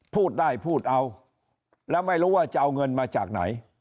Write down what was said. พูดได้พูดเอาแล้วไม่รู้ว่าจะเอาเงินมาจากไหน